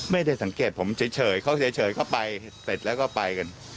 ไม่ได้สังเกตผมเฉยเขาเฉยก็ไปเสร็จแล้วก็ไปกัน